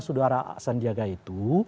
saudara sandi arief itu